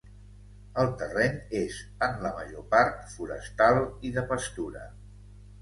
El terreny és, en la major part, forestal i de pastura.